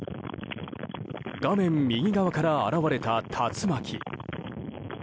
画面右側から現れた竜巻。